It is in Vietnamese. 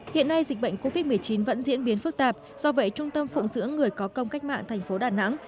hiện nay dịch bệnh covid một mươi chín vẫn diễn biến phức tạp do vậy trung tâm phụng dưỡng người có công cách mạng tp đà nẵng